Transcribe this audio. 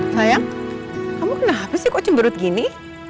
sayang kamu kenapa sih kok cemberut gini